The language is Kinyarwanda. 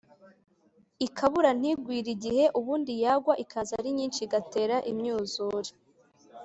ikabura ntigwire igihe, ubundi yagwa ikaza ari nyinshi igatera imyuzure.